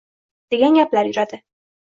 degan gaplar yuradi.